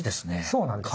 そうなんですよ。